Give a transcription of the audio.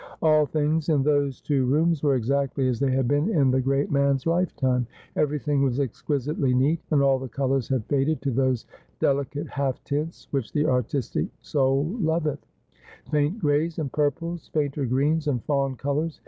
All things in those two rooms were exactly as they had been in the great man's lifetime ; everything was exquisitely neat, and all the colours had faded to those delicate half tints which the artistic soul loveth : faint grays and purples, fainter greens and fawn colours.